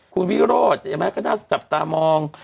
คุณวิโรศย์ก็น่าจับตามอง